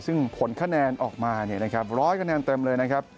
ซึ่งผลคะแนนออกมา๑๐๐คะแนนเต็มเลยนะครับ